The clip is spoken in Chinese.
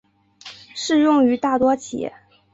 适用于大多企业。